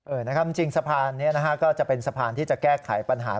จริงสะพานนี้นะฮะก็จะเป็นสะพานที่จะแก้ไขปัญหา